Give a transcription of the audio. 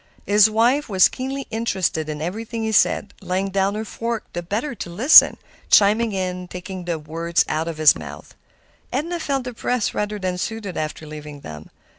His wife was keenly interested in everything he said, laying down her fork the better to listen, chiming in, taking the words out of his mouth. Edna felt depressed rather than soothed after leaving them.